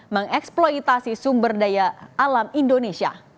mengeksploitasi sumber daya alam indonesia